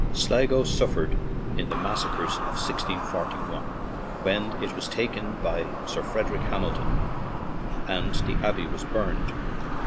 Sligo suf fered in the massacres of 1641, when it was taken by Sir Frederick Hamilton and the abbey burned.